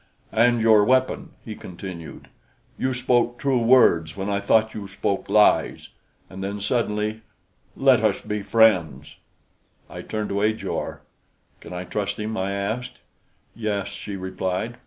"And your weapon!" he continued. "You spoke true words when I thought you spoke lies." And then, suddenly: "Let us be friends!" I turned to Ajor. "Can I trust him?" I asked. "Yes," she replied.